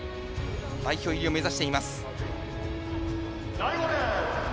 代表入りを目指しています。